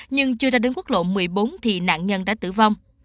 nhưng chưa ra đến quốc lộ một mươi bốn thì nạn nhân đã tử vong